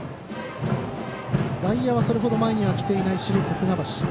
外野はそれほど前には来ていない市立船橋。